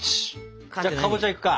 じゃあかぼちゃいくか。